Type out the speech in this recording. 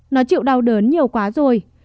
nó chịu đau đớn nhiều quá rồi